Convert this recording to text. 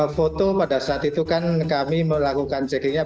foto pada saat itu kan kami melakukan checkingnya